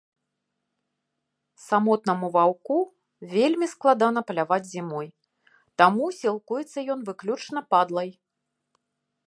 Самотнаму ваўку вельмі складана паляваць зімой, таму сілкуецца ён выключна падлай.